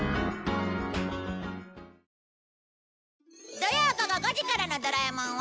土曜午後５時からの『ドラえもん』は